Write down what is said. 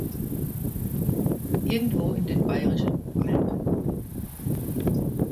Irgendwo in den bayerischen Alpen.